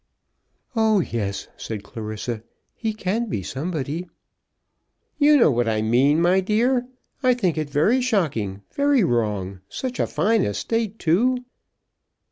"Oh yes," said Clarissa, "he can be somebody." "You know what I mean, my dear. I think it very shocking, and very wrong. Such a fine estate, too!"